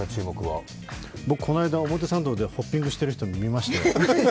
僕、この間、表参道でホッピングしてる人、見ましたよ。